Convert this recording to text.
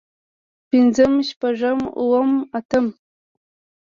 پنځم شپږم اووم اتم